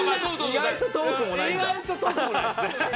意外と遠くもないですね。